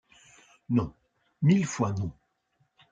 Non, mille fois non !